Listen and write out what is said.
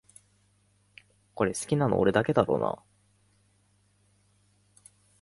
これ好きなの俺だけだろうなあ